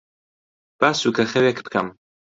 با سووکەخەوێک بکەم.